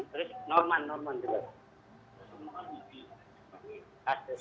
norman norman juga